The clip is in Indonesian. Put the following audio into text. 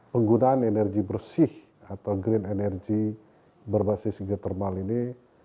penggunaan energi bersih atau green energy berbasis geotermal ini